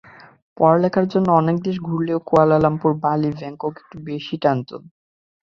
পড়ালেখার জন্য অনেক দেশ ঘুরলেও কুয়ালালামপুর, বালি, ব্যাংকক একটু বেশিই টানত।